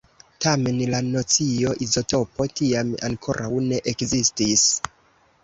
Tamen la nocio "izotopo" tiam ankoraŭ ne ekzistis.